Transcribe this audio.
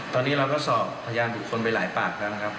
ตอนนี้เราก็สอบพยานบุคคลไปหลายปากแล้วนะครับ